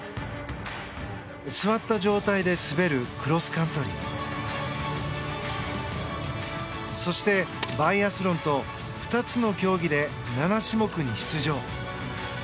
座った状態で滑るクロスカントリーそしてバイアスロンと２つの競技で７種目に出場。